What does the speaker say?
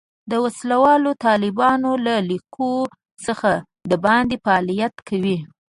د وسله والو طالبانو له لیکو څخه د باندې فعالیت کوي.